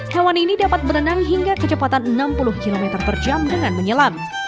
hewan ini dapat berenang hingga kecepatan enam puluh km per jam dengan menyelam